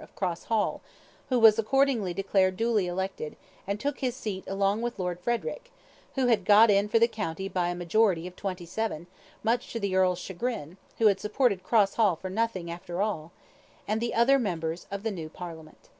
of Cross Hall, who was accordingly declared duly elected, and took his seat along with Lord Frederic (who had got in for the county by a majority of twenty seven, much to the earl's chagrin, who had supported Cross Hall for nothing, after all) and the other members of the new parliament.